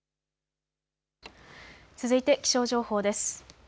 続いて気象情報です。